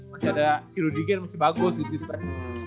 masih ada si rudiger masih bagus gitu kan